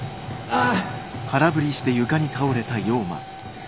ああ。